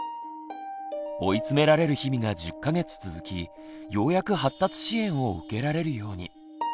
追い詰められる日々が１０か月続きようやく発達支援を受けられるように。